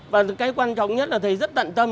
và cái quan trọng nhất là thấy rất tận tâm